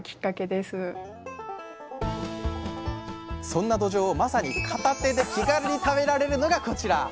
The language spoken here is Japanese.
そんなどじょうをまさに片手で気軽に食べられるのがこちら。